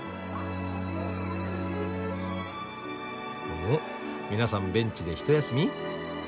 お皆さんベンチで一休み？